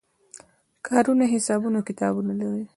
کارونه حسابونه او کتابونه لري.